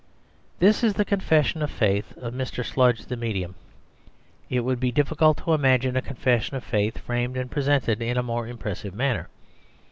This is the confession of faith of Mr. Sludge the Medium. It would be difficult to imagine a confession of faith framed and presented in a more impressive manner.